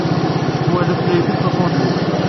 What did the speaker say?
Twala-t la ittett asandwic.